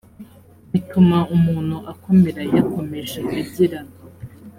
bituma umuntu akomera yakomeje agira